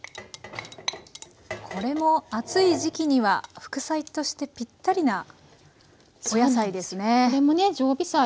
これも暑い時期には副菜としてぴったりなお野菜ですね。